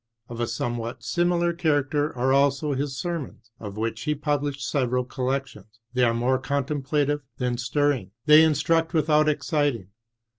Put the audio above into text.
Of a somewhat sim ilar character are also his sermons, of which he published several collections ; they are more contemplative than stirring, they in struct without exciting.